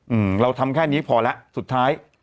อืมเราทำแค่นี้พอแล้วสุดท้าย